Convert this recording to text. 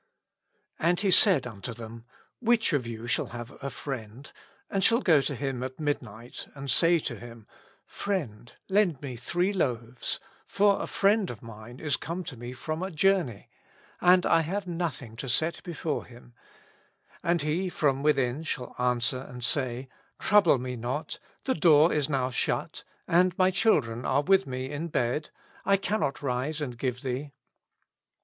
And He said unto thei?i, Which of you shall have A FRIEND, and shall go to him at midnight, and say to him. Friend, lend me three loaves ; for a friend of mine is come to me from a journey, and I have nothing to set before him ; and he from within shall answer and say, Trouble me not : the door is now shut, and my children are with me in bed ; I cannot rise and give thee.